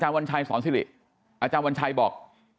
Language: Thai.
อศวัญชัยสอนสิริอวัญชัยบอก